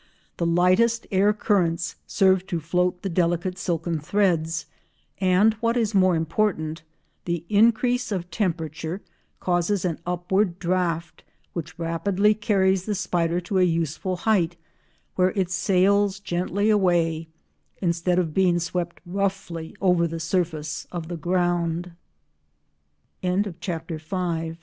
The lightest air currents serve to float the delicate silken threads, and, what is more important, the increase of temperature causes an upward draught which rapidly carries the spider to a useful height where it sails gently away instead of being swept roughly over the surface of the ground. CHAPTER VI AGELEN